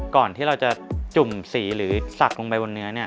ก่อนที่เราจะจุ่มสีหรือสักลงไปบนเนื้อ